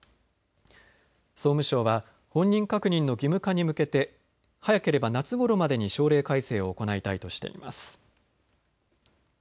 総務省は本人確認の義務化に向けて早ければ夏ごろまでに省令改正を行いたいとしています。